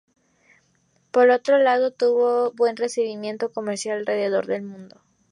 Por otro lado, tuvo buen recibimiento comercial alrededor del mundo.